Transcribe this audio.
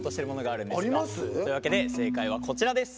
あります？というわけで正解はこちらです。